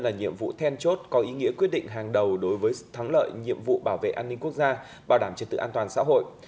là nhiệm vụ then chốt có ý nghĩa quyết định hàng đầu đối với thắng lợi nhiệm vụ bảo vệ an ninh quốc gia bảo đảm trật tự an toàn xã hội